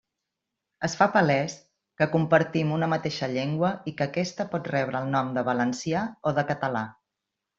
Es fa palés que compartim una mateixa llengua i que aquesta pot rebre el nom de valencià o de català.